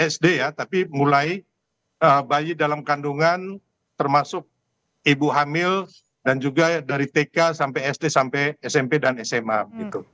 sd ya tapi mulai bayi dalam kandungan termasuk ibu hamil dan juga dari tk sampai sd sampai smp dan sma gitu